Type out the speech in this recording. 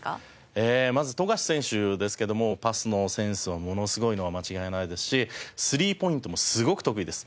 ええまず富樫選手ですけどもパスのセンスがものすごいのは間違いないですしスリーポイントもすごく得意です。